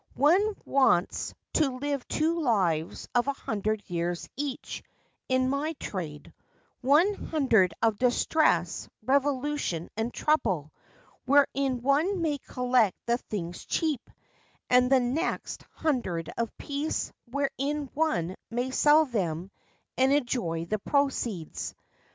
One wants to live two lives of a hundred years each in my trade — one hundred of distress, revolution, and trouble, wherein one may collect the things cheap ; and the next hundred of peace, wherein one may sell them and enjoy the proceeds.